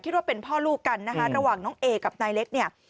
ว่าเป็นพ่อลูกกันนะคะระหว่างน้องเอกับนายเล็กเนี่ย